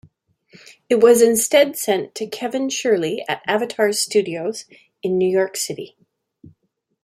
It was instead sent to Kevin Shirley at Avatar Studios in New York City.